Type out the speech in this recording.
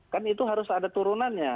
kan itu harus ada turunannya